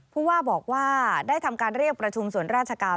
ผู้ว่าบอกว่าได้ทำการเรียกประชุมส่วนราชการ